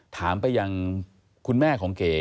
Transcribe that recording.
ถามไปยังคุณแม่ของเก๋